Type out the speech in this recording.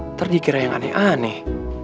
ntar dikira yang aneh aneh